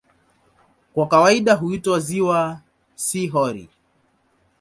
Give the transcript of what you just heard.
Kwa kawaida huitwa "ziwa", si "hori".